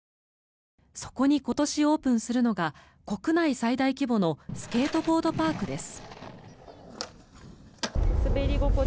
そこに今年オープンするのが国内最大規模のスケートボードパークです。